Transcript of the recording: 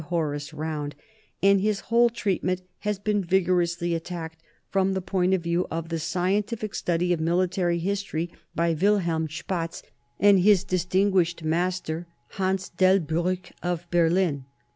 Horace Round, and his whole treatment has been vigorously attacked from the point of view of the scien tific study of military history by Wilhelm Spatz and his distinguished master, Hans Delbriick, of Berlin.